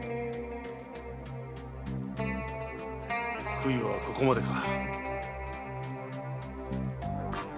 杭はここまでか。